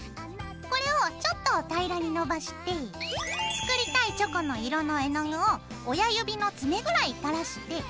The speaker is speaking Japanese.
これをちょっと平らにのばして作りたいチョコの色の絵の具を親指の爪ぐらい垂らして。